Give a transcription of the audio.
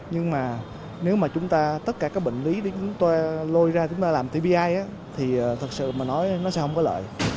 nhưng mà nếu mà chúng ta tất cả các bệnh lý để chúng ta lôi ra chúng ta làm tbi thì thật sự mà nói nó sẽ không có lợi